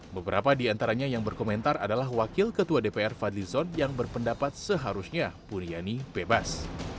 beberapa diantaranya yang berkomentar adalah wakil ketua dpr fadlison yang berpendapat seharusnya buniani bebas